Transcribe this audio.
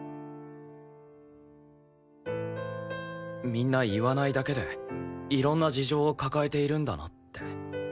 みんな言わないだけでいろんな事情を抱えているんだなって。